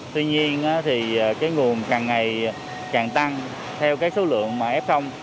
tuy nhiên thì cái nguồn càng ngày càng tăng theo cái số lượng mà f